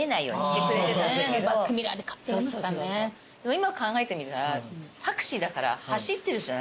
今考えてみたらタクシーだから走ってるじゃない。